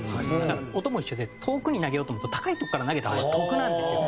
だから音も一緒で遠くに投げようと思うと高いとこから投げた方が得なんですよ。